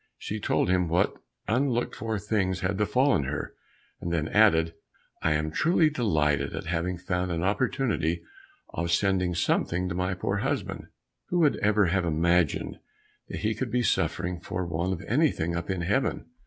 She told him what unlooked for things had befallen her, and then added, "I am truly delighted at having found an opportunity of sending something to my poor husband. Who would ever have imagined that he could be suffering for want of anything up in heaven?"